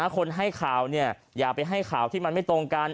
คนให้ข่าวอย่าไปให้ข่าวที่มันไม่ตรงกัน